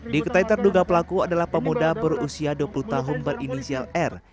diketahui terduga pelaku adalah pemuda berusia dua puluh tahun berinisial r